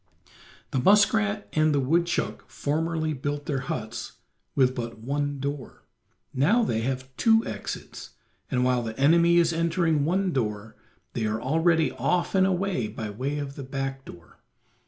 The muskrat and the woodchuck formerly built their huts with but one door; now they have two exits, and while the enemy is entering one door they are already off and away by way of the back door.